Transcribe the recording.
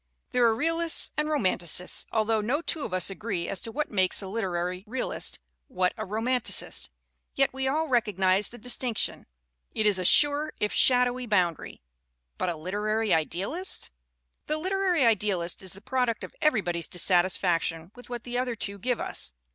There are realists and romanticists although no two of us agree as to what makes a lit erary realist, what a romanticist. Yet we all recog nize the distinction. It is a sure if shadowy bound ary. But a literary idealist? The literary idealist is the product of everybody's dissatisfaction with what the other two give us.